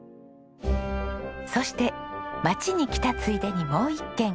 そして町に来たついでにもう一軒。